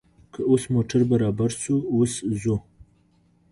که اوس موټر برابر شو، اوس ځو.